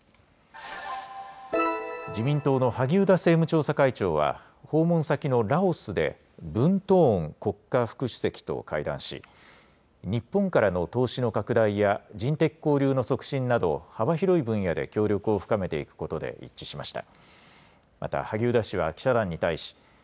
自民党の萩生田政務調査会長は、訪問先のラオスで、ブントーン国家副主席と会談し、日本からの投資の拡大や、人的交流の促進など、幅広い分野で協力を深めていくことで一致しました。